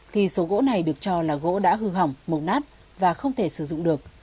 thì số gỗ này được cho là gỗ đã hư hỏng màu nát và không thể sử dụng được